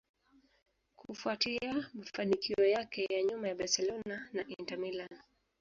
kufuatia mafanikio yake ya nyuma ya Barcelona na Inter Milan